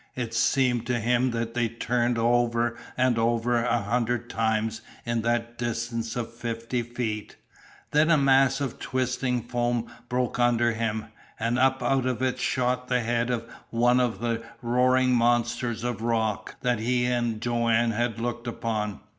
It seemed to him that they turned over and over a hundred times in that distance of fifty feet. Then a mass of twisting foam broke under him, and up out of it shot the head of one of the roaring monsters of rock that he and Joanne had looked upon.